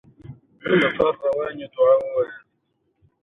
ازادي راډیو د عدالت ستر اهميت تشریح کړی.